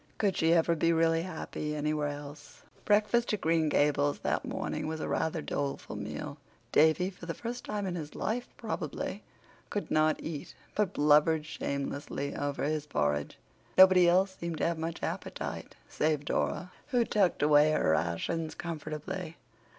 Could she ever be really happy anywhere else? Breakfast at Green Gables that morning was a rather doleful meal. Davy, for the first time in his life probably, could not eat, but blubbered shamelessly over his porridge. Nobody else seemed to have much appetite, save Dora, who tucked away her rations comfortably.